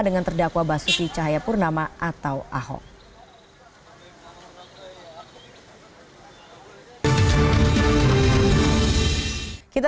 dengan terdakwa basuki cahaya purnama atau ahok